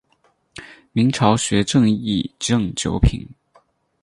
明朝学正秩正九品。